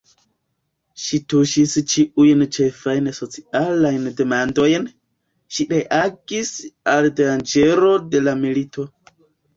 Ŝi tuŝis ĉiujn ĉefajn socialajn demandojn, ŝi reagis al danĝero de la milito.